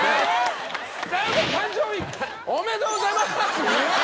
誕生日おめでとうございます！」。